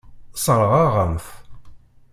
Sseṛɣeɣ-am-t.